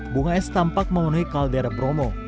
bunga es tampak memenuhi kaldera bromo